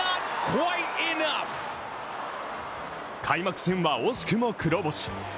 開幕戦は惜しくも黒星。